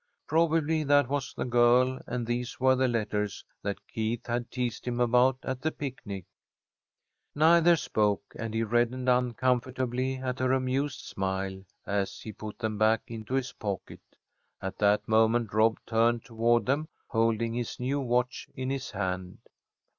Probably that was the girl and these were the letters that Keith had teased him about at the picnic. Neither spoke, and he reddened uncomfortably at her amused smile, as he put them back into his pocket. At that moment, Rob turned toward them, holding his new watch in his hand.